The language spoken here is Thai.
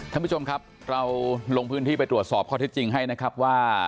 ท่านผู้ชมครับเราลงพื้นที่ไปตรวจสอบข้อเท็จจริงให้นะครับว่า